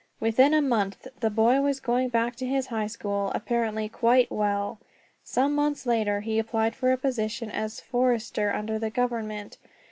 Within a month the boy was going back to his high school, apparently quite well. Some months later he applied for a position as forester under the government.